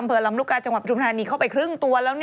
อำเภอลำลูกกาจังหวัดชุมธานีเข้าไปครึ่งตัวแล้ว